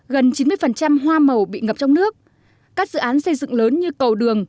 gần chín mươi hoa màu bị ngập trong nước các dự án xây dựng lớn như cầu đường